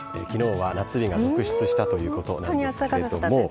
きのうは夏日が続出したということなんですけれども。